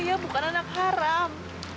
iya bukan anak haram